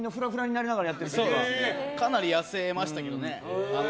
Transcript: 結構みんなかなり痩せましたけどね。